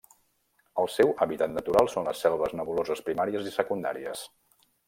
El seu hàbitat natural són les selves nebuloses primàries i secundàries.